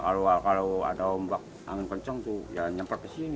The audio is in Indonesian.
kalau ada ombak angin kencang tuh jalan nyempar ke sini